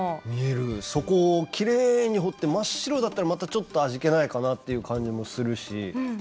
そこをきれいに彫って真っ白だったらまたちょっと味気ないかなという感じもするし。